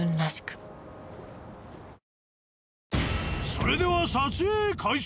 それでは撮影開始。